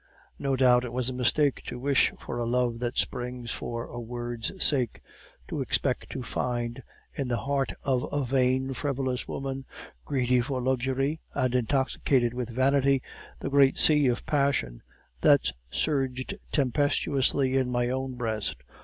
No doubt it was a mistake to wish for a love that springs for a word's sake; to expect to find in the heart of a vain, frivolous woman, greedy for luxury and intoxicated with vanity, the great sea of passion that surged tempestuously in my own breast.